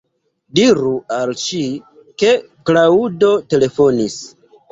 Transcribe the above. Diru al ŝi ke Klaŭdo telefonis.